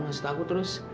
masih takut terus